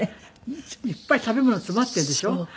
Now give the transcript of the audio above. いっぱい食べ物詰まっているでしょ？